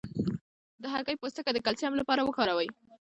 د هګۍ پوستکی د کلسیم لپاره وکاروئ